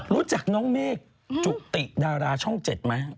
รู้จักน้องเมฆจุติดาราช่อง๗ไหม